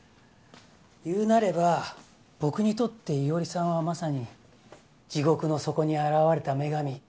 言うなれば僕にとって伊織さんはまさに地獄の底に現れた女神。